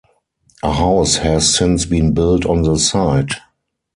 A house has since been built on the site.